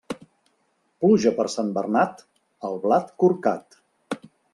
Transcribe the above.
Pluja per Sant Bernat, el blat corcat.